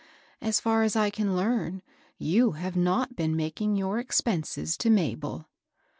So far as I can learn, yon have not been making your expenses to Ma bel."